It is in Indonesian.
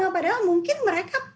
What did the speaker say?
padahal mungkin mereka